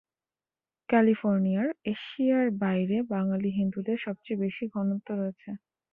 ক্যালিফোর্নিয়ার এশিয়ার বাইরে বাঙালি হিন্দুদের সবচেয়ে বেশি ঘনত্ব রয়েছে।